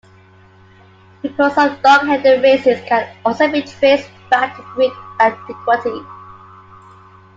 Reports of dog-headed races can also be traced back to Greek antiquity.